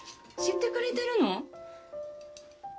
知ってくれてるの？